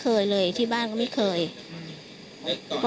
คืออยู่แค่ระแวะแถวบ้านแถววัดป่าแถวเซเว่น